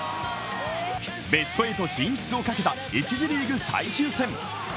ベスト８進出をかけた１次リーグ最終戦。